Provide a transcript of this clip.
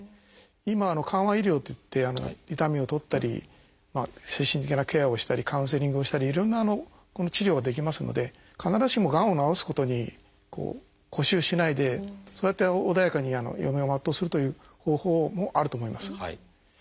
今は「緩和医療」っていって痛みを取ったり精神的なケアをしたりカウンセリングをしたりいろんな治療ができますので必ずしもがんを治すことに固執しないでそうやって穏やかに余命を全うするという方法もあると思います。